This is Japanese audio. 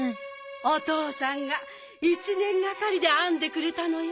おとうさんが１ねんがかりであんでくれたのよ。